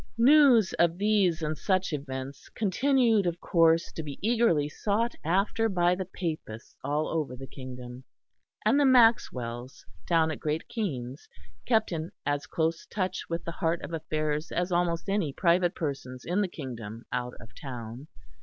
News of these and such events continued of course to be eagerly sought after by the Papists all over the kingdom; and the Maxwells down at Great Keynes kept in as close touch with the heart of affairs as almost any private persons in the kingdom out of town.